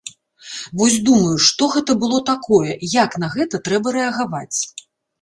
Вось думаю, што гэта было такое, як на гэта трэба рэагаваць.